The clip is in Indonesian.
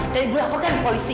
dan ibu laporkan ke polisi